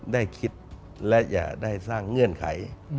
ได้คิดและอย่าได้สร้างเงื่อนไข